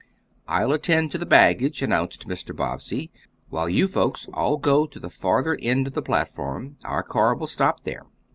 "I'll attend to the baggage," announced Mr. Bobbsey, "while you folks all go to the farther end of the platform. Our car will stop there."